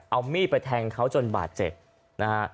เอามีดไปแทงเขาจนบาดเจ็บนะฮะ